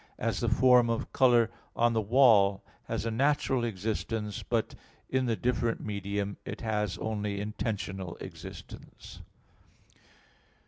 As the form of color on the wall has a natural existence; but, in the deferent medium, it has only intentional existence.